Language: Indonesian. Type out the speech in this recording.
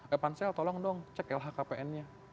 eh pansel tolong dong cek lhkpn nya